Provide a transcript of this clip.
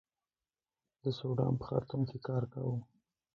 د سوډان په خرتوم کې کار کاوه.